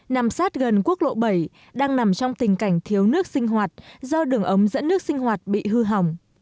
nằm sát gần quốc lộ bảy đang nằm trong tình cảnh thiếu nước sinh hoạt do đường ống dẫn nước sinh hoạt bị hư hỏng